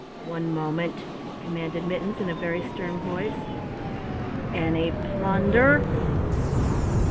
"One moment," commanded Mittens in a very stern voice, "any plunder?"